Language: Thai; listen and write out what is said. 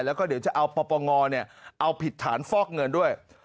แล้วก็เดี๋ยวจะเอาปปงเอาผิดฐานฟอกเงินด้วย